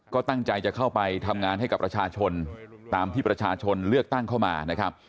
ก็ตั้งใจจะเข้าไปทำงานให้กับประชาชนตามที่ประชาชนเลือกตั้งเข้ามานะครับ